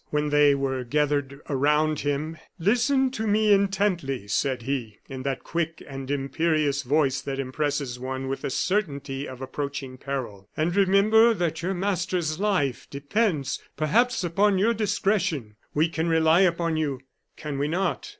When they were gathered around him: "Listen to me, intently," said he, in that quick and imperious voice that impresses one with the certainty of approaching peril, "and remember that your master's life depends, perhaps, upon your discretion. We can rely upon you, can we not?"